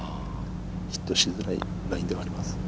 ヒットしづらいラインではあります。